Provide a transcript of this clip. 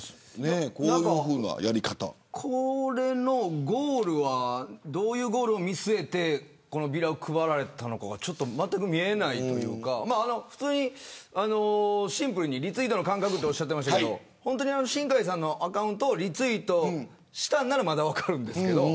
これはどういうゴールを見据えてこのビラを配ったのかまったく見えないというかシンプルにリツイートの感覚と言っていましたが本当に新開さんのアカウントをリツイートしたならまだ分かるんですけど。